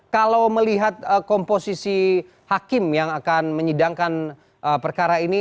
kalau melihat komposisi hakim yang akan menyidangkan perkara ini